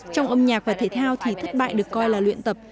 trong âm nhạc và thể thao thì thất bại được coi là luyện tập